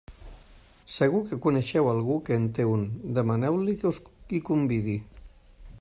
Segur que coneixeu algú que en té un; demaneu-li que us hi convidi!